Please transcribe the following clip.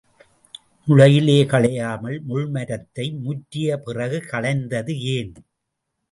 முளையிலே களையாமல் முள் மரத்தை முற்றிய பிறகு களைந்தது ஏன்?